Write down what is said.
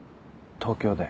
東京で。